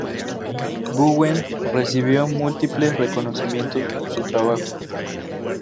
Bowen recibió múltiples reconocimientos por su trabajo.